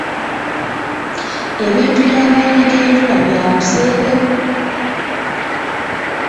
Ebintu by'amaanyi g'enjuba bya buseere mu.